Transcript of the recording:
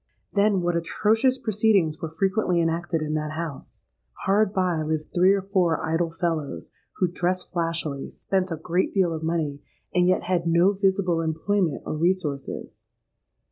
Then, what atrocious proceedings were frequently enacted in that house! Hard by lived three or four idle fellows, who dressed flashily, spent a great deal of money, and yet had no visible employment or resources.